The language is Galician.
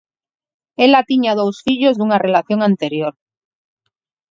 Ela tiña dous fillos dunha relación anterior.